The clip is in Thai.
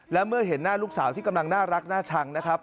และเมื่อเห็นหน้าลูกสาวที่กำลังน่ารักน่าชังนะครับ